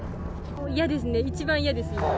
嫌ですね、一番嫌です。